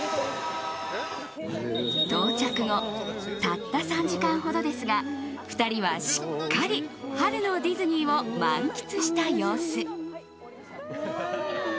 到着後、たった３時間ほどですが２人はしっかり春のディズニーを満喫した様子。